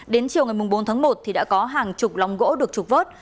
đến chiều ngày bốn tháng một thì đã có hàng chục lòng gỗ được trục vớt